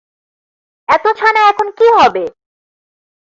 এত ছানা এখন কী হবে?